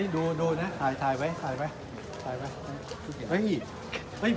ดูนะถ่ายไว้